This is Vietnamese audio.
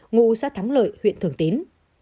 ngụ sát thắng lợi huyện thường tín